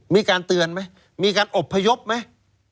มีการเตือนไหมมีการอบพยพไหม